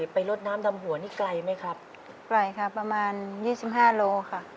ไปลดน้ำดำหัวนี่ไกลไหมครับไกลค่ะประมาณยี่สิบห้าโลค่ะ